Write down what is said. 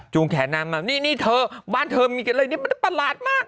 จูงแขนนางมานี่นี่เธอบ้านเธอมีอะไรนี่มันประหลาดมาก